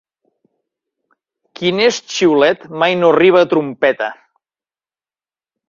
Qui neix xiulet mai no arriba a trompeta.